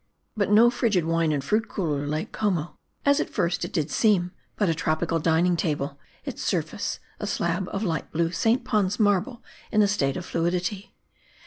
But no frigid wine and fruit cooler, Lake Como ; as at first it did seem ; but a tropical dining table, its surface a slab of light blue St. Pons marble in a state of fluidity.